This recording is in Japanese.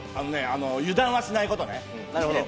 油断はしないことね。